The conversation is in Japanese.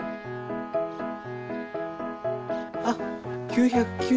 あっ９９０。